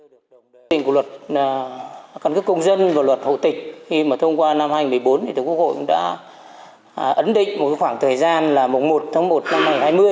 tổng kết thực hiện của luật cân cấp công dân và luật hậu tịch khi mà thông qua năm hai nghìn một mươi bốn thì tổng hội đã ấn định một khoảng thời gian là một tháng một năm hai nghìn hai mươi